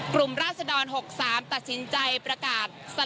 กลุ่มราชดร๖๓ตัดสินใจประกาศ